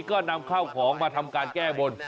ก็นำเข้าของมาทำการแก้บน